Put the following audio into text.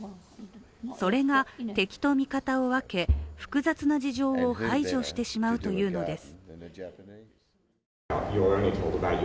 それが敵と味方を分け複雑な事情を排除してしまうというのです。